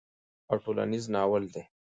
او ټولنيز ناول دی